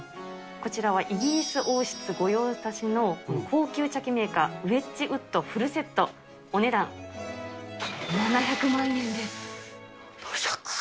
こちらはイギリス王室御用達の高級茶器メーカー、ウェッジウッドフルセット、お値段７００万７００万？７００万。